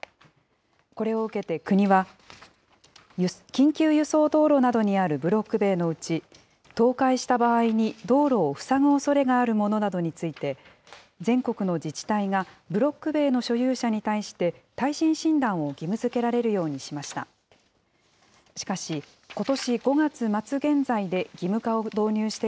これを受けて国は、緊急輸送道路などにあるブロック塀のうち、倒壊した場合に道路を塞ぐおそれがあるものなどについて、全国の自治体がブロック塀の所有者に対して耐震診断を義務づけられるようにしました。